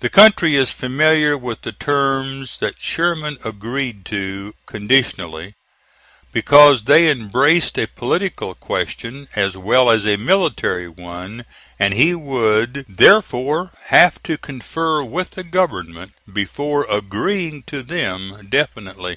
The country is familiar with the terms that Sherman agreed to CONDITIONALLY, because they embraced a political question as well as a military one and he would therefore have to confer with the government before agreeing to them definitely.